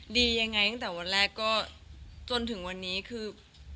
ดียังไงตั้งแต่วันแรกก็จนถึงวันนี้คือ